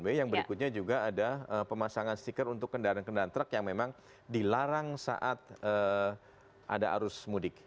b yang berikutnya juga ada pemasangan stiker untuk kendaraan kendaraan truk yang memang dilarang saat ada arus mudik